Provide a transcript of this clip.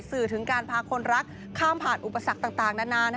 สื่อถึงการพาคนรักข้ามผ่านอุปสรรคต่างนานา